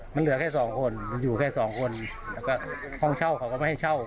มันเหลือแค่สองคนมันอยู่แค่สองคนแล้วก็ห้องเช่าเขาก็ไม่ให้เช่า